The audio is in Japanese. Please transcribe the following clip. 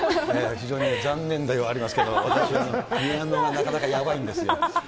非常に残念ではありますが、私はなかなかやばいんですよ。